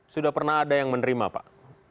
sudah pernah ada yang menerima pak